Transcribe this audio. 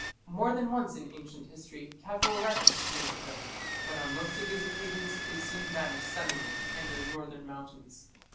More than once in ancient history casual reference is made to them; but on most of these occasions they soon vanish suddenly behind their northern mountains.